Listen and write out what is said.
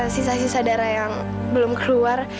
sisa sisa darah yang belum keluar